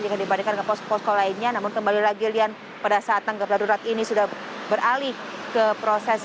jika dibandingkan dengan posko posko lainnya namun kembali lagi lian pada saat tanggap darurat ini sudah beralih ke proses